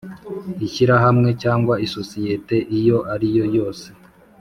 Ishyirahamwe cyangwa isosiyete iyo ariyo yose